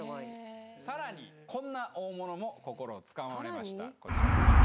さらにこんな大物も心つかまれましたこちらです。